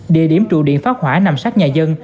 địa điểm trụ điện phá hỏa nằm sát nhà dân